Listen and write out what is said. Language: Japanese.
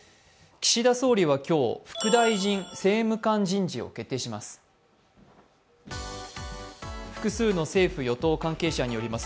岸田総理は今日、副大臣政務官人事を決定します。